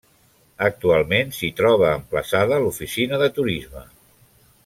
Actualment s'hi troba emplaçada l'Oficina de Turisme.